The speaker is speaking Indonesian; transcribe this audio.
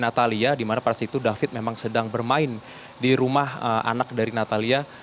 di natalia dimana pas itu david memang sedang bermain di rumah anak dari natalia